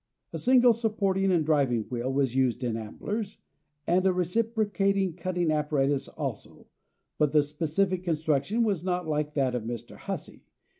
A single supporting and driving wheel was used in Ambler's, and a reciprocating cutting apparatus also, but the specific construction was not like that of Mr. Hussey.